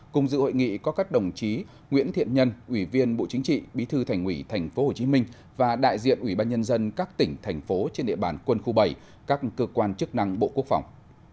cùng dự hội nghị có các đồng chí nguyễn thiện nhân ủy viên bộ chính trị bí thư thành ủy tp hcm và đại diện ủy ban nhân dân các tỉnh thành phố trên địa bàn quân khu bảy các cơ quan chức năng bộ quốc phòng